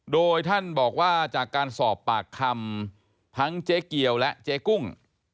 โดยท่านบอกว่าจากการสอบปากคำทั้งเจ๊เกียวและเจ๊กุ้ง